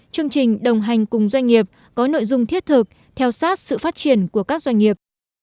chương trình đồng hành cùng doanh nghiệp có nội dung thiết thực theo sát sự phát triển của các doanh nghiệp